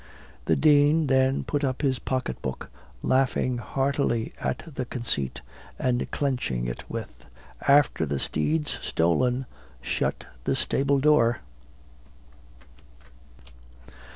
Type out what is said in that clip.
The Dean then put up his pocket book, laughing heartily at the conceit, and clenching it with, "After the steed's stolen, shut the stable door."